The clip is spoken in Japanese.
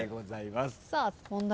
さあ問題